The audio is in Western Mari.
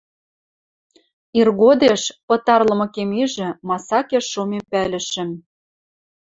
Иргодеш, пыт арлымыкем ижӹ, масакеш шомем пӓлӹшӹм.